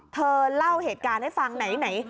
เธอเล่าเหตุการณ์ให้ฟังไหน